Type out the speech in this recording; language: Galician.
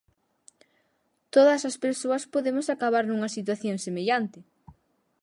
Todas as persoas podemos acabar nunha situación semellante.